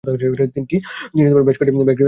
তিনি বেশ কয়েকটি গান রেকর্ড করেছিলেন।